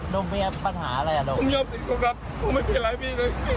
โดมเบียปัญหาอะไรอ่ะดมผมยอมติดคุกครับผมไม่มีอะไรพี่